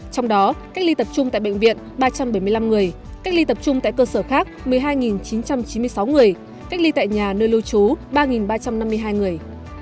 trong đó cách ly tập trung tại bệnh viện ba trăm bảy mươi năm người cách ly tập trung tại cơ sở khác một mươi hai chín trăm chín mươi sáu người cách ly tại nhà nơi lưu trú ba ba trăm năm mươi hai người